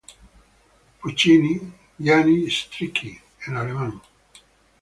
Puccini: "Gianni Schicchi" en alemán.